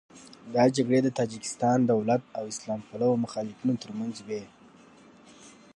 دا جګړې د تاجکستان دولت او اسلام پلوه مخالفینو تر منځ وې.